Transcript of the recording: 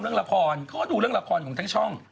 เขาก็ดูเรื่องละครของทั้งช่อง